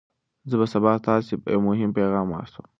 زه به سبا تاسي ته یو مهم پیغام واستوم.